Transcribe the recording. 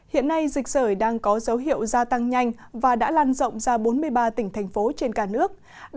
hiện nay dịch sởi đang có dấu hiệu gia tăng nhanh và đã lan rộng ra bốn mươi ba tỉnh thành phố trên cả nước